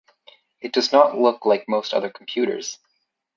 It does not look like most other computers.